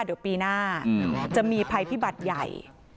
เดี๋ยวปีหน้าจะมีภัยพิบัติใหญ่